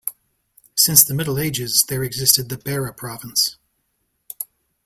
Since the Middle Ages there existed the Beira Province.